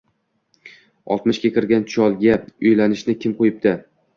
Oltmishga kirgan cholga uylanishni kim qo`yibdi